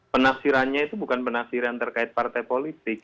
penafsirannya itu bukan penafsiran terkait partai politik